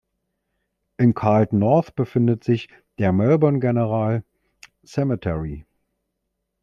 In Carlton North befindet sich der Melbourne General Cemetery.